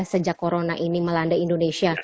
sejak corona ini melanda indonesia